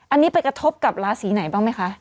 อันนี้ไปกระทบกับราศีไหนบ้างไหมคะ